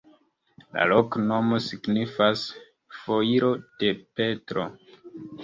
La loknomo signifas: foiro de Petro.